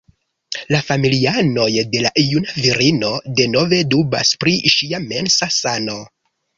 La familianoj de la juna virino denove dubas pri ŝia mensa sano.